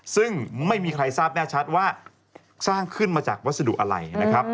ซึ่งไม่มีใครทราบแน่ชัดว่าสร้างขึ้นมาจากวัสดุอะไรนะครับ